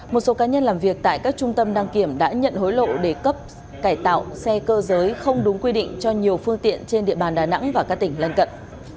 một số cá nhân làm việc tại các trung tâm đăng kiểm đã nhận hối lộ để cấp cải tạo xe cơ giới không đúng quy định cho nhiều phương tiện trên địa bàn đà nẵng và các tỉnh lân cận